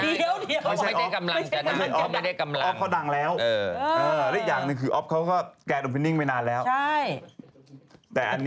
ไม่ใช่ออฟแต่นางคือออฟไม่ได้กำลัง